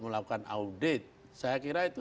melakukan audit saya kira itu